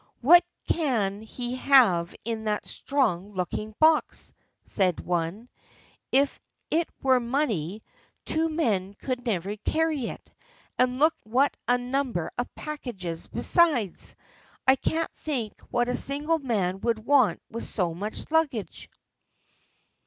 "What can he have in that strong looking box?" said one. "If it were money, two men could could never carry it. And look what a number of packages besides! I can't think what a single man can want with so much luggage."